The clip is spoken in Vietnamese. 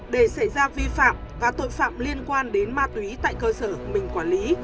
để xảy ra vi phạm và tội phạm liên quan đến ma túy tại cơ sở mình quản lý